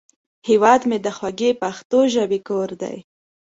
هیواد مې د خوږې پښتو ژبې کور دی